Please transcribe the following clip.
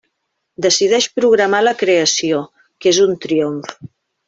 Decideix programar la creació, que és un triomf.